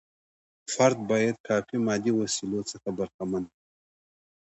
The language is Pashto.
فرد باید کافي مادي وسیلو څخه برخمن وي.